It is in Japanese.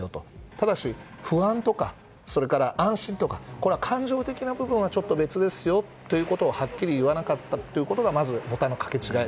ただし、不安とか安心とか感情的な部分はちょっと別ですよということをはっきり言わなかったことがまずボタンの掛け違い。